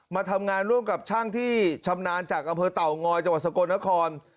มาทำงานร่วมกับช่างที่ชำนาญจากอำเภอเต่างอยจังหวัดสกลนคร